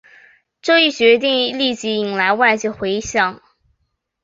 这一决定立即引来外界回响。